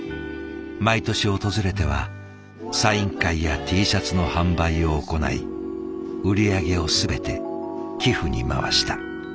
毎年訪れてはサイン会やＴシャツの販売を行い売り上げを全て寄付に回した。